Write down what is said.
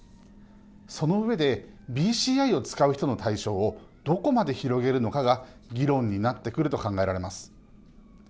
その上でＢＣＩを使う人の対象をどこまで広げるのかが議論になってくると考えられます。